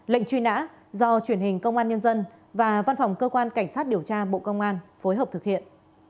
lệnh truy nã do truyền hình công an nhân dân và văn phòng cơ quan cảnh sát điều tra bộ công an phối hợp thực hiện